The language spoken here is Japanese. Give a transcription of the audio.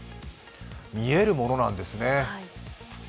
見えるものなんですね。